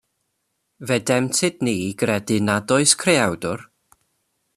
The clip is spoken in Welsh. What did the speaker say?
Fe demtid ni i gredu nad oes Creawdwr.